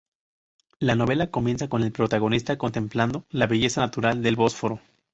La novela comienza con el protagonista contemplando la belleza natural del Bósforo.